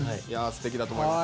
すてきだと思います。